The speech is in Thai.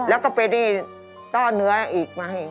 แล้วก็ไปได้ต้อเนื้ออีกมาให้